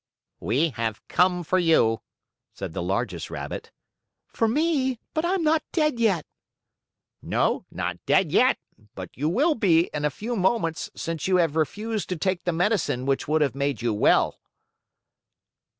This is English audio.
"We have come for you," said the largest Rabbit. "For me? But I'm not dead yet!" "No, not dead yet; but you will be in a few moments since you have refused to take the medicine which would have made you well."